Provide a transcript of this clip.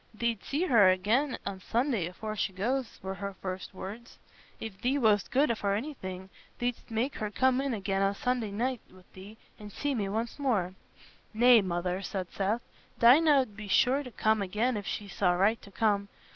"Thee't see her again o' Sunday afore she goes," were her first words. "If thee wast good for anything, thee'dst make her come in again o' Sunday night wi' thee, and see me once more." "Nay, Mother," said Seth. "Dinah 'ud be sure to come again if she saw right to come.